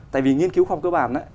tại vì nghiên cứu khoa học cơ bản